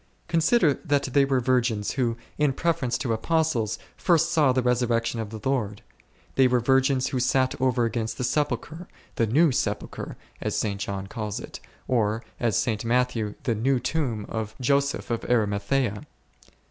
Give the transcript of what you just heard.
Consider that they were virgins who, in preference to Apostles, first saw the resurrection of the Lord. They were virgins who sat over against the sepulchre, the new sepulchre, as St. John calls it, or, as St. Mat thew, the new tomb of Joseph of Arimathcea.